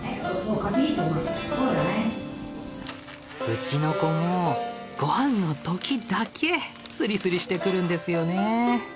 うちの子もごはんの時だけスリスリしてくるんですよね。